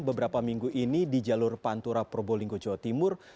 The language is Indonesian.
beberapa minggu ini di jalur pantura probolinggo jawa timur